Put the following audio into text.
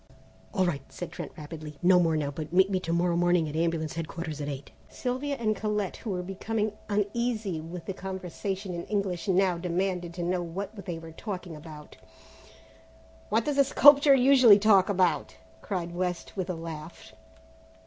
"All right," said Trent rapidly, "no more now, but meet me at Ambulance headquarters to morrow morning at eight." Sylvia and Colette, who were becoming uneasy at the conversation in English, now demanded to know what they were talking about. "What does a sculptor usually talk about?" cried West, with a laugh.